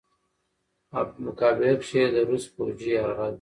او په مقابله کښې ئې د روس فوجي يرغل